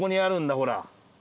ほら。